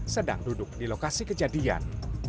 sedang duduk di lokasi kejadian